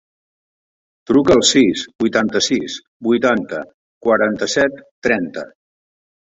Truca al sis, vuitanta-sis, vuitanta, quaranta-set, trenta.